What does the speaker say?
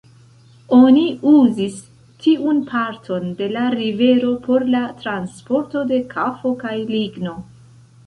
Oni uzis tiun parton de la rivero por la transporto de kafo kaj ligno.